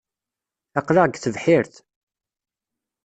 Aql-aɣ deg tebḥirt.